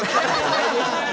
大丈夫？